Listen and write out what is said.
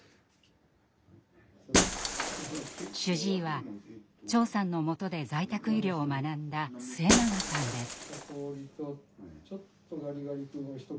主治医は長さんの下で在宅医療を学んだ末永さんです。